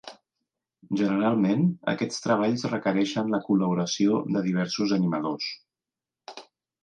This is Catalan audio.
Generalment, aquests treballs requereixen la col·laboració de diversos animadors.